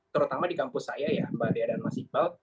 terutama di kampus saya ya mbak dea dan mas iqbal